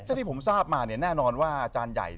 ถ้าที่ผมทราบมาเนี่ยแน่นอนว่าอาจารย์ใหญ่